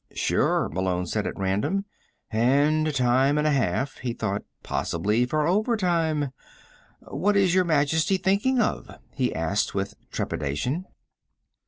"Sure," Malone said at random. And time and a half, he thought. Possibly for overtime. "What is Your Majesty thinking of?" he asked with trepidation.